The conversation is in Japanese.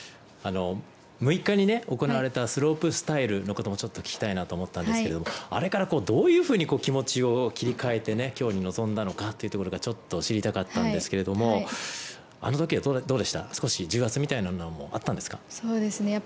６日に行われたスロープスタイルのこともちょっと聞きたいなと思ったんですがあれからどういうふうに気持ちを切り替えてきょうに臨んだのかというところはちょっと知りかったんですけどあのときはどうでした少し重圧みたいなものもそうですね